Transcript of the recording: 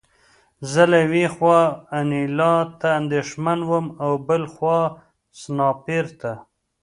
زه له یوې خوا انیلا ته اندېښمن وم او بل خوا سنایپر ته